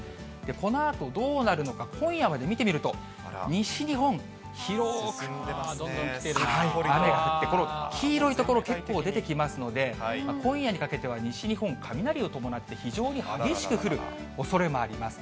このあとどうなるのか、今夜まで見てみると、西日本、広く雨があって、この黄色い所、結構出てきますので、今夜にかけては西日本、雷を伴って非常に激しく降るおそれもあります。